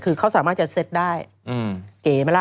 คือเขาสามารถจะเซ็ตได้เก๋ไหมล่ะ